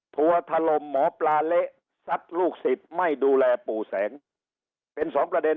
ถั่วทะลมหมอปลาเละสักลูกสิบไม่ดูแลปู่แสงเป็นสองประเด็น